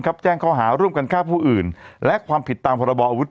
แจ้งข้อหาร่วมกันฆ่าผู้อื่นและความผิดตามพรบออาวุธ